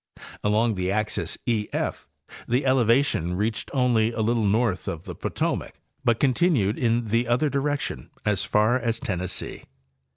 Along the axis # F' the elevation reached only a little north of the Potomac, but con tinued in the other direction as far as Tennessee.